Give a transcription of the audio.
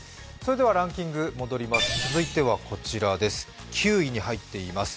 ランキング戻ります。